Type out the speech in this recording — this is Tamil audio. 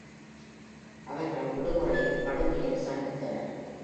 அவர்கள் விடுமுறையில் படுமியில் சந்தித்தனர்.